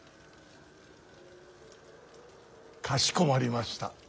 かしこまりました。